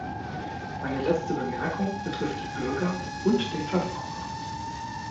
Meine letzte Bemerkung betrifft die Bürger und den Verbraucher.